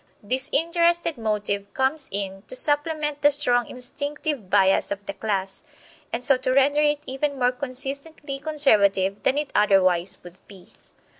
This interested motive comes in to supplement the strong instinctive bias of the class, and so to render it even more consistently conservative than it otherwise would be.